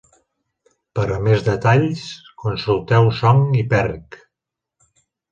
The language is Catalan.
Per a més detalls, consulteu Song i Perrig.